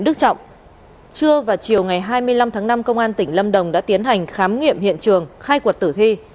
đức trọng trưa vào chiều ngày hai mươi năm tháng năm công an tỉnh lâm đồng đã tiến hành khám nghiệm hiện trường khai quật tử thi